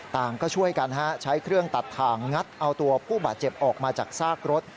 ต่างก็ช่วยกันใช้เครื่องตัดทางงัดเอาตัวผู้บาดเจ็บออกมาจากซากรถ